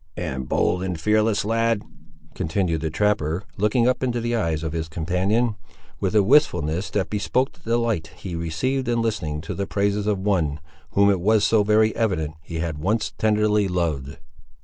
"And bold, and fearless, lad!" continued the trapper, looking up into the eyes of his companion, with a wistfulness that bespoke the delight he received in listening to the praises of one, whom it was so very evident, he had once tenderly loved.